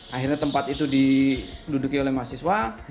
akhirnya tempat itu diduduki oleh mas siwa